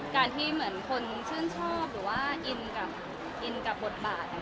การที่คนชื่นชอบหรือว่าอินกับบทบาท